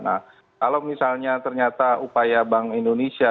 nah kalau misalnya ternyata upaya bank indonesia